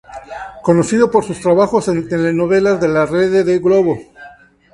Conocido por sus trabajos en telenovelas de la Rede Globo.